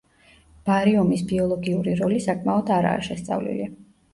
ბარიუმის ბიოლოგიური როლი საკმაოდ არაა შესწავლილი.